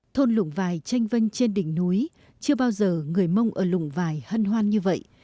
thôn lũng vài tranh vânh trên đỉnh núi chưa bao giờ người mong ở lũng vài hân hoan như vậy